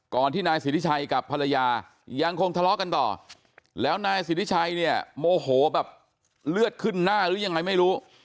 ที่นายสิทธิชัยกับภรรยายังคงทะเลาะกันต่อแล้วนายสิทธิชัยเนี่ยโมโหแบบเลือดขึ้นหน้าหรือยังไงไม่รู้